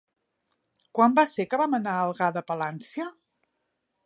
Quan va ser que vam anar a Algar de Palància?